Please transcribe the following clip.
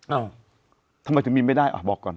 เอ้าทำไมถึงมีไม่ได้อ่ะบอกก่อน